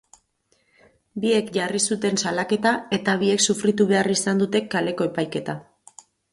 Biek jarri zuten salaketa eta biek sufritu behar izan dute kaleko epaiketa.